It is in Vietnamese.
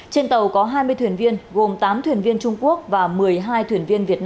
trên tàu có hai mươi thuyền viên gồm tám thuyền viên trung quốc và một mươi hai thuyền viên việt nam